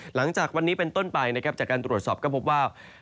หลังจากวันนี้เป็นต้นไปนะครับจากการตรวจสอบก็พบว่า